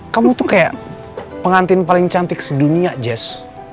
kamu tuh kayak pengantin paling cantik sedunia jazz